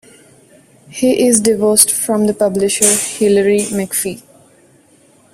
He is divorced from the publisher Hilary McPhee.